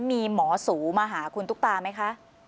มีหมอสูมาหาคุณตุ๊กตาไหมคะ